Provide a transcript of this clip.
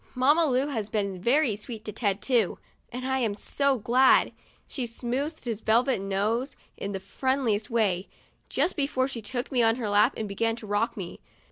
Mamma Lu has been very sweet to Ted, too; and I'm so glad. She smoothed his velvet nose in the friendliest way, just before she took me on her lap and began to rock me.